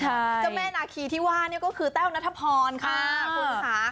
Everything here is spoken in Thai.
เจ้าแม่นาคีที่ว่าเนี่ยก็คือแต้วนัทพรค่ะ